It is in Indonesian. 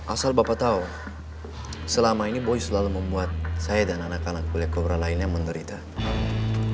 asal bapak tahu selama ini boy selalu membuat saya dan anak anak black cobra berlebihan